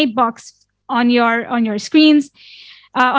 di kotak qna di skrin anda